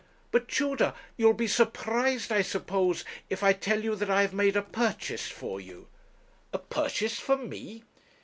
But, Tudor, you'll be surprised, I suppose, if I tell you that I have made a purchase for you.' 'A purchase for me!'